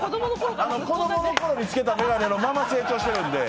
子供のころ、つけていた眼鏡のまま成長してるんで。